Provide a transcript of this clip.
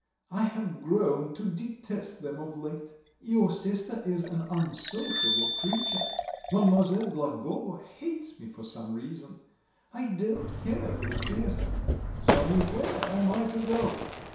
I have grown to detest them of late; your sister is an unsociable creature; Mademoiselle Blagovo hates me for some reason. I don't care for the theatre. Tell me where am I to go?"